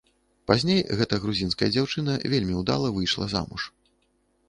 Пазней гэта грузінская дзяўчына вельмі ўдала выйшла замуж.